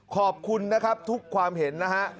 ขอบคุณนะครับทุกความเห็นนะฮะ